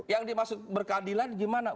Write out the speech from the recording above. yang dimaksud berkeadilan gimana